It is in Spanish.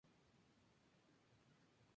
El resto avanzan a la fase previa.